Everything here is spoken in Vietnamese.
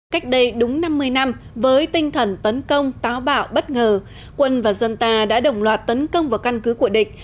cách đây đúng năm mươi năm với tinh thần tấn công táo bạo bất ngờ quân và dân ta đã đồng loạt tấn công vào căn cứ của địch